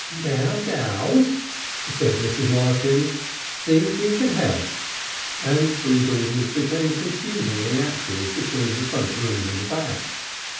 "Now, gals," said Mrs. Larkins, "see if you can help," and the three daughters became confusingly active between the front room and the back.